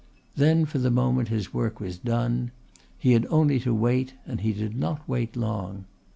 Then for the moment his work was done. He had only to wait and he did not wait long.